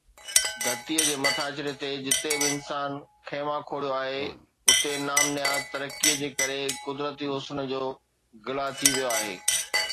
ڌرتيءَ جي مٿاڇري تي جتي به انسان خيما کوڙيو آهي، اتي نام نهاد ترقيءَ جي ڪري قدرتي حسن جو گلا ٿي ويو آهي.